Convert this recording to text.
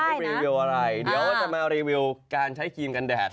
รีวิวอะไรเดี๋ยวว่าจะมารีวิวการใช้ครีมกันแดด